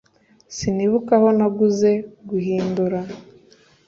Sinibuka aho naguze guhindura